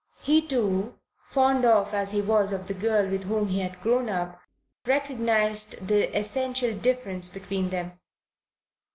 He too, fond as he was of the girl with whom he had grown up, recognized the essential difference between them.